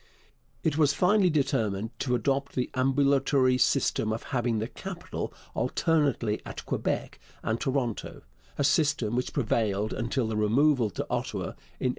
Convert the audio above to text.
It was finally determined to adopt the ambulatory system of having the capital alternately at Quebec and Toronto, a system which prevailed until the removal to Ottawa in 1865.